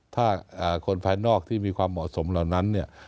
ถ้าคนภายนอกที่มีความเหมาะสมเหล่านั้นเนี่ย